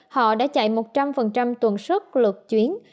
họ đã chạy một trăm linh tuần xuất lượt chuyến